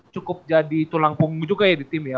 cukup jadi tulang punggung juga ya di tim ya